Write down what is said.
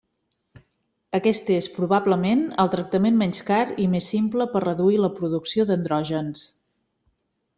Aquest és probablement el tractament menys car i més simple per reduir la producció d'andrògens.